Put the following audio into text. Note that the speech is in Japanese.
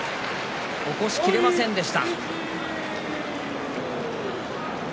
起こしきれませんでした。